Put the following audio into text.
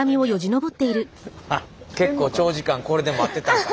結構長時間これで待ってたんかな。